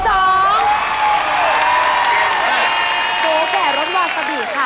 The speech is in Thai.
โหแก่รสวาซาบิค่ะ